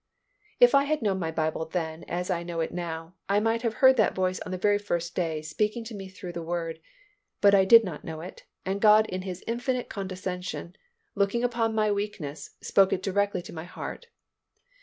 If I had known my Bible then as I know it now, I might have heard that voice the very first day speaking to me through the Word, but I did not know it and God in His infinite condescension, looking upon my weakness, spoke it directly to my heart.